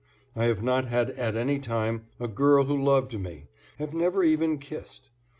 I have not had at any time a girl who loved me, have never even kissed.